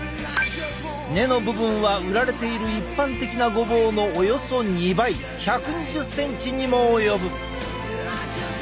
根の部分は売られている一般的なごぼうのおよそ２倍１２０ｃｍにも及ぶ。